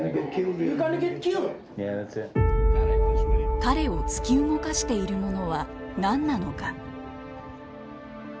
彼を突き動かしているものは何なのか。